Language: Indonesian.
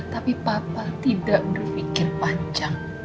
tapi papa tidak berpikir panjang